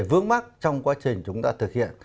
vướng mắt trong quá trình chúng ta thực hiện